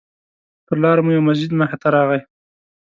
پر لاره مو یو مسجد مخې ته راغی.